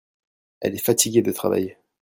Elle est fatiguée de travailler.